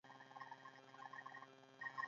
سالو وږمه زموږ په لاس کي نسته.